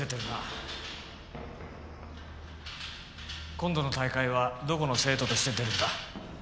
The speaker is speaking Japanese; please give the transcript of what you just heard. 今度の大会はどこの生徒として出るんだ？